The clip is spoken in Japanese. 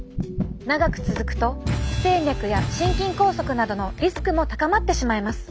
長く続くと不整脈や心筋梗塞などのリスクも高まってしまいます。